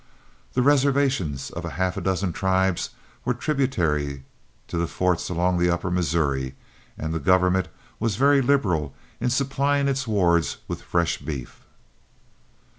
The reservations of half a dozen tribes were tributary to the forts along the upper Missouri, and the government was very liberal in supplying its wards with fresh beef.